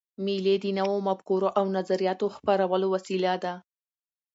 مېلې د نوو مفکورو او نظریاتو خپرولو وسیله ده.